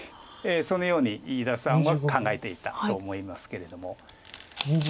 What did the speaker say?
そのように伊田さんは考えていたと思いますけれども。